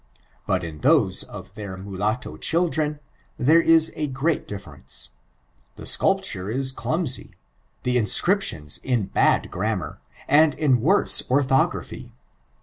But, in those of their mnlatto children* their if a great difference. The scolptnre ia dama y— the inacripckios in bad grammar and in woiee orthography.